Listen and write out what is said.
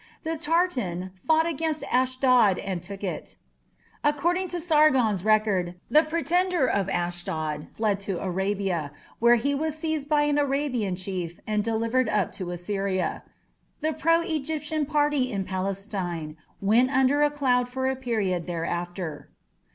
The Tartan "fought against Ashdod and took it". According to Sargon's record the Pretender of Ashdod fled to Arabia, where he was seized by an Arabian chief and delivered up to Assyria. The pro Egyptian party in Palestine went under a cloud for a period thereafter.